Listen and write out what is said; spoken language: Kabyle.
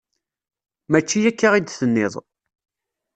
Mačči akka i d-tenniḍ.